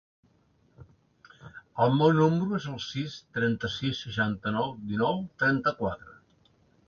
El meu número es el sis, trenta-sis, seixanta-nou, dinou, trenta-quatre.